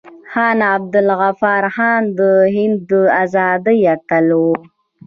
خان عبدالغفار خان د هند د ازادۍ اتل و.